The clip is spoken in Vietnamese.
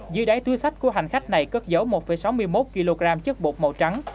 dưới đáy thư sách của hành khách này cất dấu một sáu mươi một kg chất bột màu trắng